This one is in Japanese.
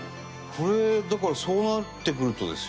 これだからそうなってくるとですよ。